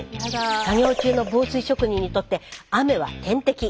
作業中の防水職人にとって雨は天敵。